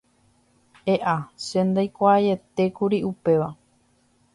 E'a, che ndaikuaaietékuri upéva.